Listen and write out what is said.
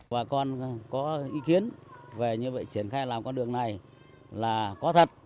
bà con có ý kiến về như vậy triển khai làm con đường này là có thật